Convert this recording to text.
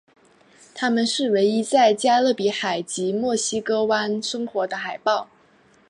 它们是唯一在加勒比海及墨西哥湾生活的海豹。